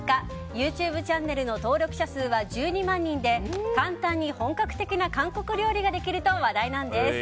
ＹｏｕＴｕｂｅチャンネルの登録者数は１２万人で簡単に本格的な韓国料理ができると話題なんです。